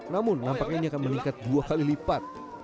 namun nampaknya ini akan meningkat dua kali lipat